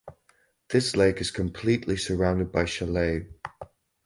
This lake is completely surrounded by chalet.